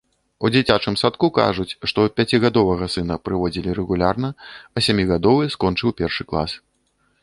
У дзіцячым садку кажуць, што пяцігадовага сына прыводзілі рэгулярна, а сямігадовы скончыў першы клас.